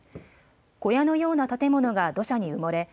小屋のような建物が土砂に埋もれ